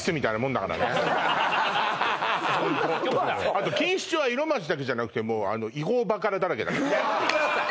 あと錦糸町は色街だけじゃなくて違法バカラだらけだからやめてください